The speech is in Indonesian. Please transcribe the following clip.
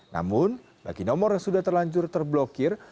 namun bagi nomor yang sudah terlanjur terblokir